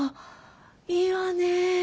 いいわね。